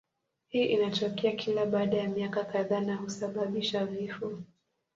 Hii inatokea kila baada ya miaka kadhaa na kusababisha vifo.